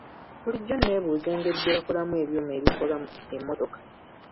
Bulijjo neebuuza engeri gye bakolamu ebyuma ebikola emmotoka.